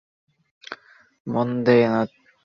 বন্দে মাতরম পরিস্থিতি নিয়ন্ত্রণের বাইরে চলে গেছে।